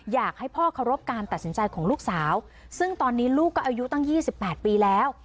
อยากให้พ่อเคารพการตัดสินใจของลูกสาวซึ่งตอนนี้ลูกก็อายุตั้ง๒๘ปีแล้ว